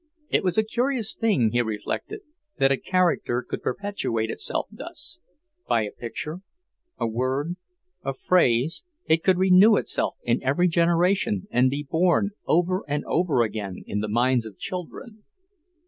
It was a curious thing, he reflected, that a character could perpetuate itself thus; by a picture, a word, a phrase, it could renew itself in every generation and be born over and over again in the minds of children.